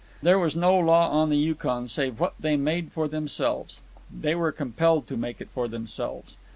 There was no law on the Yukon save what they made for themselves. They were compelled to make it for themselves.